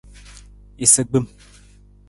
Isagbim.